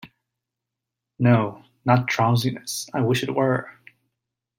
No — not drowsiness, I wish it were!